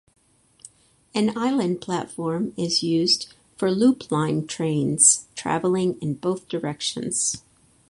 An island platform is used for Loop Line trains travelling in both directions.